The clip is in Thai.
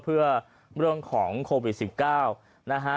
เพื่อเรื่องของโควิด๑๙นะฮะ